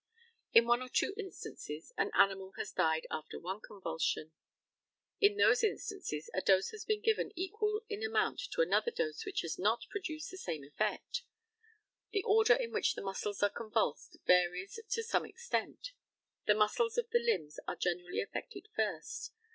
In one or two instances an animal has died after one convulsion. In those instances a dose has been given equal in amount to another dose which has not produced the same effect. The order in which the muscles are convulsed varies to some extent. The muscles of the limbs are generally affected first.